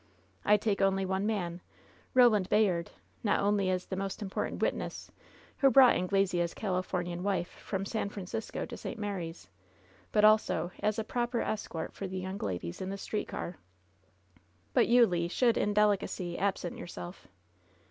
I take only one man, Eoland Bayard, not only as the most important witness, who brought Angle sea's Califomian wife from San Francisco to St. Mary's, but also as a proper escort for the young ladies in the street car. But you, Le, should, in delicacy, absent yourself."